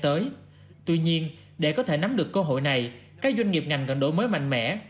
tuy nhiên để có thể nắm được cơ hội này các doanh nghiệp ngành cần đổi mới mạnh mẽ